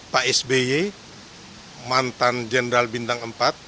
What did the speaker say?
pak sby mantan jenderal bintang empat